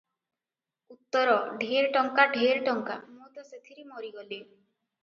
ଉତ୍ତର 'ଢ଼େର ଟଙ୍କା, ଢ଼େର ଟଙ୍କା, ମୁଁ ତ ସେଥିରେ ମରିଗଲି ।